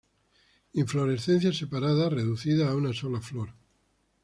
Inflorescencia separada, reducida a una sola flor.